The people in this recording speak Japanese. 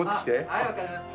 はいわかりました。